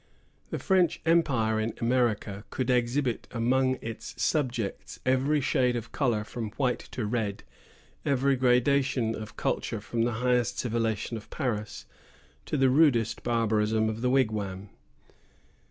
The French empire in America could exhibit among its subjects every shade of color from white to red, every gradation of culture from the highest civilization of Paris to the rudest barbarism of the wigwam.